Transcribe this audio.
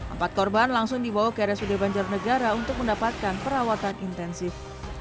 empat korban langsung dibawa ke rsud banjarnegara untuk mendapatkan perawatan intensif